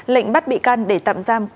lệnh bắt bị can để tạm giam